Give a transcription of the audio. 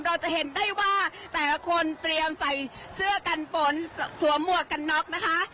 เราจะเห็นได้ว่าแต่ละคนเตรียมใส่เสื้อกันฝนสวมหมวกกันน็อกนะคะ